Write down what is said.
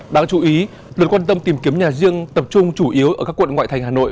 đáng chú ý lượt quan tâm tìm kiếm nhà riêng tập trung chủ yếu ở các quận ngoại thành hà nội